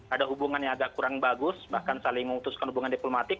ada hubungan yang agak kurang bagus bahkan saling memutuskan hubungan diplomatik